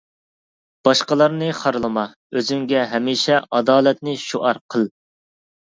باشقىلارنى خارلىما، ئۆزۈڭگە ھەمىشە ئادالەتنى شوئار قىل!